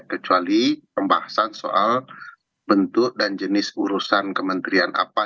kecuali pembahasan soal bentuk dan jenis urusan kementerian apa